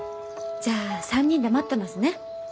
じゃあ３人で待ってますね。